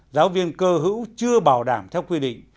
giáo viên cơ hữu chưa bảo đảm theo quy định